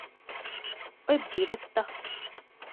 އޮތް ބިރެއްތަ؟